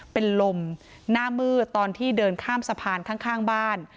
เป็นลมหน้ามืดตอนที่เดินข้ามสะพานข้างบ้าน